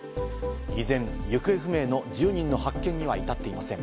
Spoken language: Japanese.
依然、行方不明の１０人の発見には至っていません。